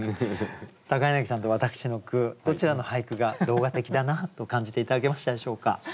柳さんと私の句どちらの俳句が動画的だなと感じて頂けましたでしょうか？